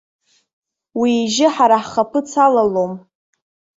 Уи ижьы ҳара ҳхаԥыц алалом.